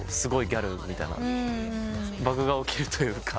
バグが起きるというか。